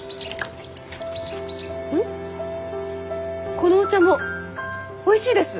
このお茶もおいしいです！